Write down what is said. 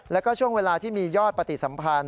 แล้วก็ช่วงเวลาที่มียอดปฏิสัมพันธ์